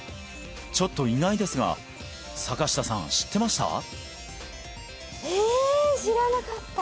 ちょっと意外ですが坂下さん知ってました？え！